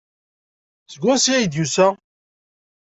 Seg wansi ay d-yusa?